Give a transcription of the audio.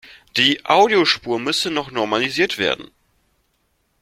Die Audiospur müsste noch normalisiert werden.